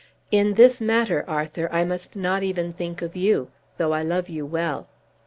In this matter, Arthur, I must not even think of you, though I love you well.